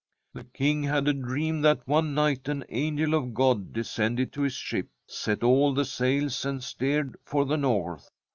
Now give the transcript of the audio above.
' The King had a dream that one nieht an angel of God descended to his ship, set all tne sails, and steered for the north.